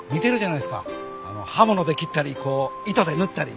刃物で切ったりこう糸で縫ったり。